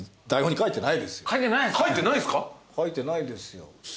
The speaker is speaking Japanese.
書いてないですよ。